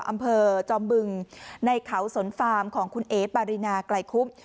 อำเภอจอมบึงในเขาสนฟาร์มของคุณเอ๋ปารินาไกลคุบ